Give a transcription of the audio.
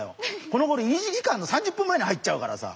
このごろ入り時間の３０分前に入っちゃうからさ。